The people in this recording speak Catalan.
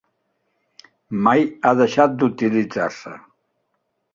Mai ha deixat d'utilitzar-se.